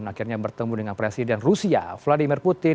akhirnya bertemu dengan presiden rusia vladimir putin